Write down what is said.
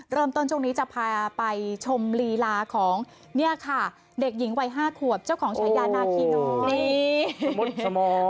เริ่มต้นช่วงนี้จะพาไปชมรีลาของเนี่ยค่ะเด็กหญิงวัยห้าขวดเจ้าของชายญานาคีน้อย